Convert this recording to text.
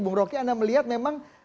bung roky anda melihat memang